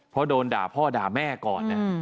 เพราะโดนด่าพ่อด่าแม่ก่อน